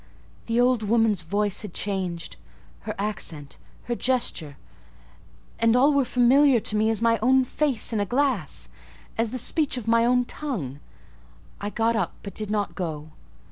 The old woman's voice had changed: her accent, her gesture, and all were familiar to me as my own face in a glass—as the speech of my own tongue. I got up, but did not go.